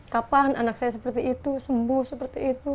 kapan anak saya seperti itu sembuh seperti itu